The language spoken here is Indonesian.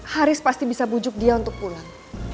haris pasti bisa bujuk dia untuk pulang